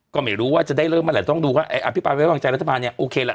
ก็ไม่รู้ว่าจะได้เริ่มเมื่อไหร่ต้องดูว่าไอ้อภิปรายไว้วางใจรัฐบาลเนี่ยโอเคแหละ